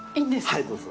はい、どうぞ。